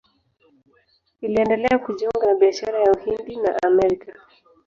Iliendelea kujiunga na biashara ya Uhindi na Amerika.